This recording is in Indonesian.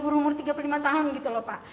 berumur tiga puluh lima tahun gitu lho pak